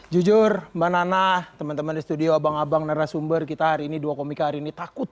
jujur mbak nana teman teman di studio abang abang narasumber kita hari ini dua komika hari ini takut